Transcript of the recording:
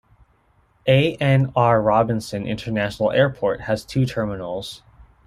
A. N. R. Robinson International Airport has two terminals.